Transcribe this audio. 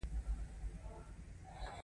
هغوی یوځای د ځلانده رڼا له لارې سفر پیل کړ.